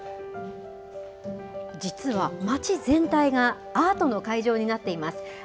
実は街全体がアートの会場になっています。